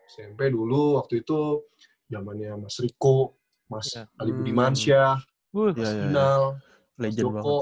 smp dulu waktu itu zamannya mas rico mas alipudi mansyah mas jinal mas joko